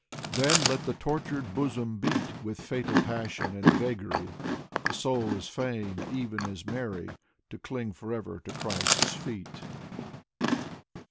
Then let the tortured bosom beat With fatal passion and vagary; The soul is fain, even as Mary, To cling forever to Christ's feet.